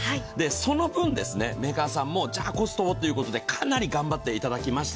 その分、メーカーさんも、じゃ、コストをということでかなり頑張っていただきました。